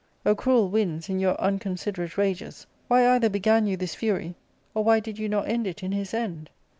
O cruel winds, in your unconsiderate rages, why either began you this fury, or why did you not end it in his end